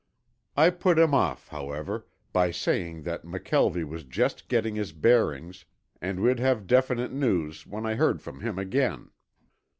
I put him off, however, by saying that McKelvie was just getting his bearings and we'd have definite news when I heard from him again.